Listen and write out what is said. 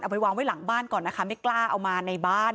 ไปวางไว้หลังบ้านก่อนนะคะไม่กล้าเอามาในบ้าน